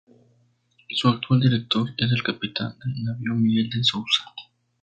Su actual director es el Capitán de Navío Miguel De Souza.